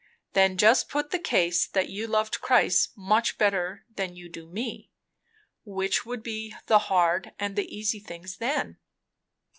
"Then just put the case that you loved Christ much better than you do me; which would be the hard and the easy things then?"